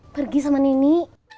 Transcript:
pergi sama nini